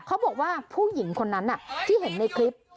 เขาบอกว่าผู้หญิงคนนั้นที่เห็นในคลิป